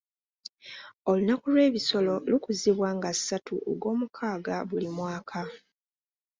Olunaku lw'ebisolo lukuzibwa nga ssatu ogw'omukaaga buli mwaka.